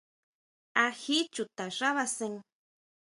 ¿Á jí chuta xábasen?